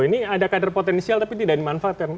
ini ada kader potensial tapi tidak dimanfaatkan